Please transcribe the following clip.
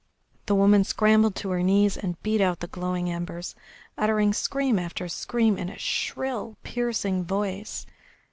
The woman scrambled to her knees and beat out the glowing embers, uttering scream after scream in a shrill, piercing voice.